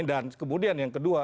dan kemudian yang kedua